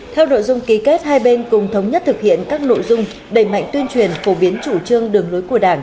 theo nội dung ký kết hai bên cùng thống nhất thực hiện các nội dung đẩy mạnh tuyên truyền phổ biến chủ trương đường lối của đảng